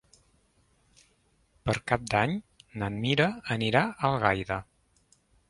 Per Cap d'Any na Mira anirà a Algaida.